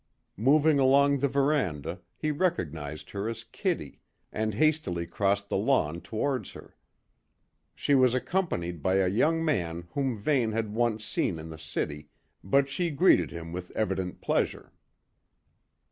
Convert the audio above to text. Moving along the verandah, he recognised her as Kitty, and hastily crossed the lawn towards her. She was accompanied by a young man whom Vane had once seen in the city, but she greeted him with evident pleasure.